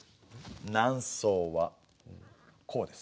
南宋はこうです。